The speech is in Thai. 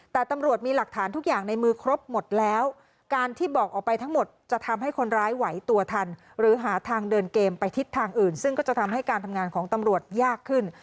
แต่ตำรวจมีหลักฐานทุกอย่างในมือครบหมดแล้วการที่บอกออกไปทั้งหมดจะทำให้คนร้ายไหวตัวทันหรือหาทางเดินเกมไปทิศทางอื่นซึ่งก็จะทำให้การทำงานของตำรวจยากขึ้น